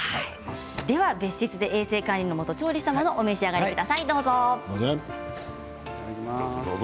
別室で衛生管理のもと調理したものをお召し上がりください。